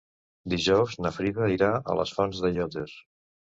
Dijous na Frida irà a les Fonts d'Aiòder.